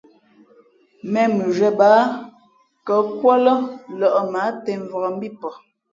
̀mēn mʉnzhwē bāā nkα̌kūα lά lᾱʼ mα ǎ těmvak mbí pαh.